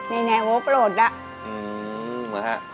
ในแหน่งโอ๊คโปรดอ่ะ